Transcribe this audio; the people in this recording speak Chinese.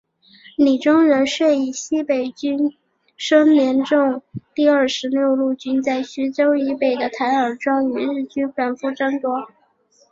李宗仁遂以西北军孙连仲第二十六路军在徐州以北的台儿庄与日军反复争夺。